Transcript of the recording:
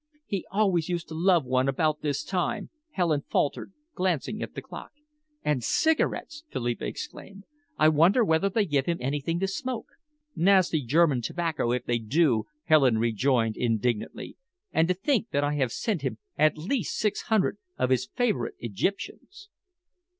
"He always used to love one about this time," Helen faltered, glancing at the clock. "And cigarettes!" Philippa exclaimed. "I wonder whether they give him anything to smoke." "Nasty German tobacco, if they do," Helen rejoined indignantly. "And to think that I have sent him at least six hundred of his favourite Egyptians!"